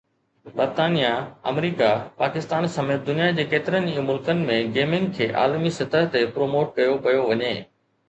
برطانيا، آمريڪا، پاڪستان سميت دنيا جي ڪيترن ئي ملڪن ۾ گيمنگ کي عالمي سطح تي پروموٽ ڪيو پيو وڃي